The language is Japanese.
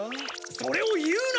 それを言うな！